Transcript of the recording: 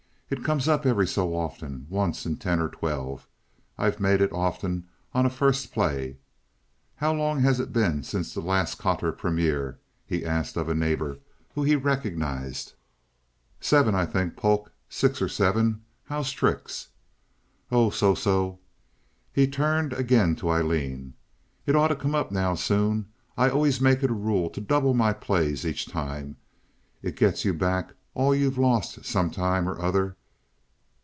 It comes up every so often—once in ten or twelve. I've made it often on a first play. How long has it been since the last quatre premier?" he asked of a neighbor whom he recognized. "Seven, I think, Polk. Six or seven. How's tricks?" "Oh, so so." He turned again to Aileen. "It ought to come up now soon. I always make it a rule to double my plays each time. It gets you back all you've lost, some time or other."